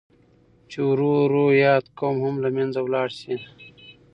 چې ورو ورو ياد قوم هم لمنځه ولاړ شي.